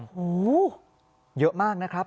โอ้โหเยอะมากนะครับ